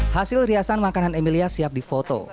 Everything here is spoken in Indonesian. hasil riasan makanan emilia siap difoto